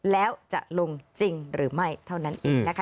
แล้วจะลงจริงหรือไม่เท่านั้นเองนะคะ